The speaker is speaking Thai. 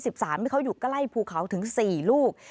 ที่เขาอยู่ใกล้ภูเขาถึง๔ลูก